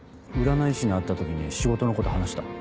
占い師に会った時に仕事のこと話した？